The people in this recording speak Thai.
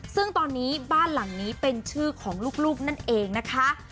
ซึ่งตอนนี้บ้านหลังนี้เป็นชื่อของลูกนั่นเองนะคะ